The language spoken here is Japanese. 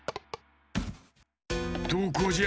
どこじゃ？